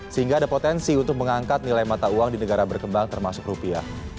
sehingga ada potensi untuk mengangkat nilai mata uang di negara berkembang termasuk rupiah